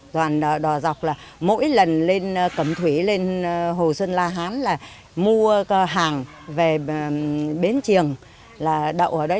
đoàn đò dọc là mỗi lần lên cẩm thủy lên hồ xuân la hán là mua hàng về bến triềng là đậu ở đấy